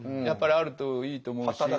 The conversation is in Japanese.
やっぱりあるといいと思うし。